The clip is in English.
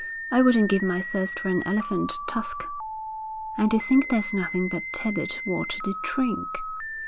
I wouldn't give my thirst for an elephant tusk.' 'And to think there's nothing but tepid water to drink!'